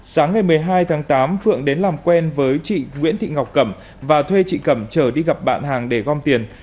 sáng ngày một mươi hai tháng tám phượng đến làm quen với chị nguyễn thị ngọc cẩm và thuê chị cẩm trở đi gặp bạn hàng để gom tiền